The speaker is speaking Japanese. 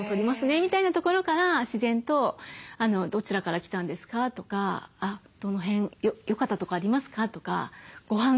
みたいなところから自然と「どちらから来たんですか？」とか「どの辺よかったとこありますか？」とかごはん